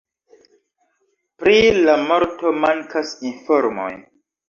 Pri la morto mankas informoj.